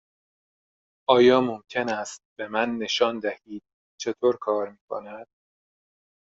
آیا ممکن است به من نشان دهید چطور کار می کند؟